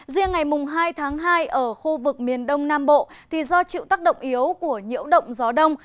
riêng ngày hai tháng hai ở khu vực miền đông nam bộ do chịu tác động yếu của nhiễu động gió đông